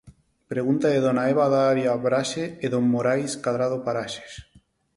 Pregunta de dona Eva Daira Braxe e don Morais Cadrado Paraxes.